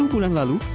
sepuluh bulan lalu